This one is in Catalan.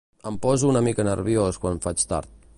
Em poso una mica nerviós quan faig tard.